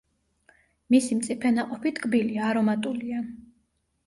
მისი მწიფე ნაყოფი ტკბილი, არომატულია.